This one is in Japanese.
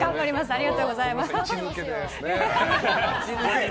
ありがとうございます。